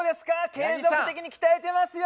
継続的に鍛えてますよ！